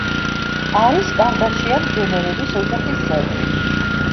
არის კარდაშიან-ჯენერების ოჯახის წევრი.